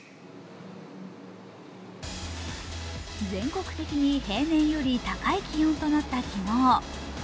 全国的に平年より高い気温となった昨日。